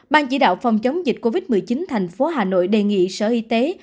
ban chỉ đạo phòng chống dịch covid một mươi chín thành phố hà nội đề nghị sở y tế